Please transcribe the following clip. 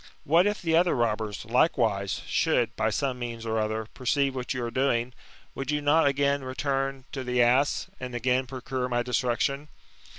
What if the other robbers, likewise, should, by some means or other, perceive what you are doing, would you not again i eturn to the ass, and again procure my destruction